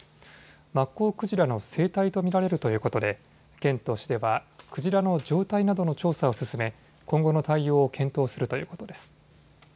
マッコウクジラの成体と見られるということで県としてはクジラの状態などの調査を進め今後の対応を検討するということです。